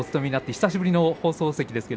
久しぶりの放送席